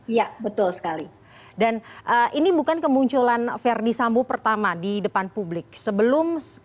iya betul sekali dan ini bukan kemunculan ferdis ambo pertama di depan publik sebelum